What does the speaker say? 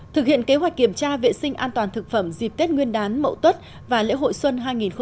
thực hiện kế hoạch kiểm tra vệ sinh an toàn thực phẩm dịp tết nguyên đán mậu tốt và lễ hội xuân hai nghìn một mươi tám